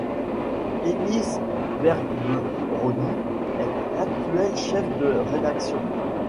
Enis Berberoğlu est l'actuel chef de rédaction.